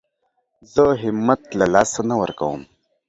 زه همت له لاسه نه ورکوم.